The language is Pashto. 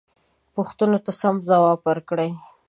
پوښتنو ته سم ځوابونه ورکړئ.